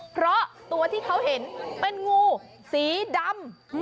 เพราะตัวที่เขาเห็นเป็นงูสีดำ